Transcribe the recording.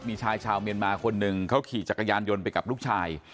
มีชายชาวเมียนมาคนหนึ่งเขาขี่จักรยานยนต์ไปกับลูกชาย